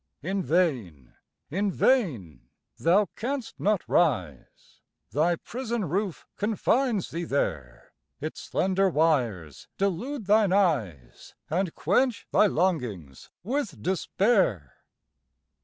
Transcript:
In vain in vain! Thou canst not rise: Thy prison roof confines thee there; Its slender wires delude thine eyes, And quench thy longings with despair.